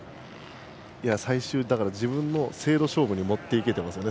最終、自分の精度勝負に持っていけてますよね。